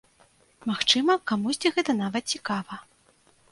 Магчыма, камусьці гэта нават цікава.